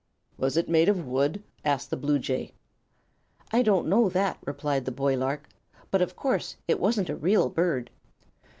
"Was it made of wood?" asked the bluejay. "I don't know that," replied the boy lark; "but of course it wasn't a real bird."